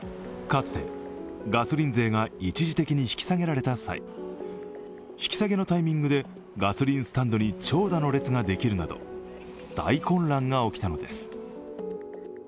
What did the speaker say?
かつてガソリン税が一時的に引き下げられた際、引き下げのタイミングでガソリンスタンドに長蛇の列ができるなど大混乱が起きたのです。